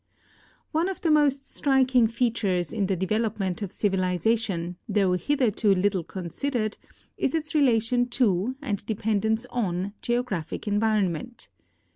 One of the most striking features in the development of civili zation, though hitherto little considered, is its relation to and dependence on geographic environment.